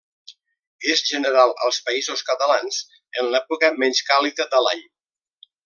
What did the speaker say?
És general als Països Catalans en l'època menys càlida de l'any.